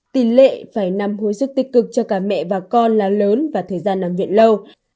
tỷ lệ phải nằm hồi sức tích cực cho cả mẹ và con là lớn và thời gian nằm viện lâu